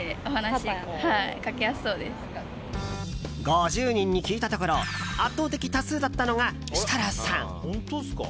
５０人に聞いたところ圧倒的多数だったのが設楽さん。